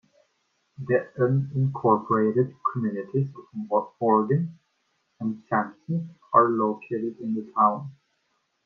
The unincorporated communities of Morgan and Sampson are located in the town.